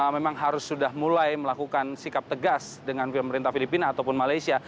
memang harus sudah mulai melakukan sikap tegas dengan pemerintah filipina ataupun malaysia